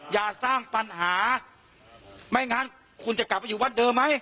อย่าสร้างปัญหาไม่งั้นคุณจะกลับไปอยู่วัดเดิมไหม